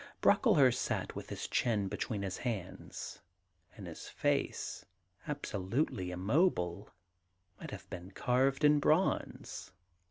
Brocklehurst sat with his chin between his hands; and his face, absolutely immobile, might have been carved in bronze.